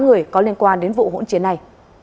người có liên quan đến vụ hỗn chiến này